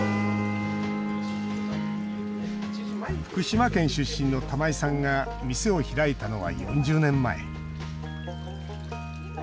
福島県出身の玉井さんが店を開いたのは４０年前。